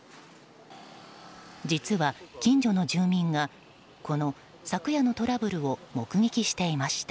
実は近所の住民がこの昨夜のトラブルを目撃していました。